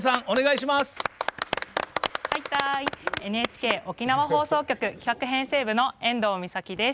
ＮＨＫ沖縄放送局の企画編成部の遠藤美咲です。